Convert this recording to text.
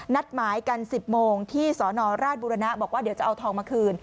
นัดหมายกัน๑๐โมงที่สนราชบุรณะบอกว่าเดี๋ยวจะเอาทองมาคืน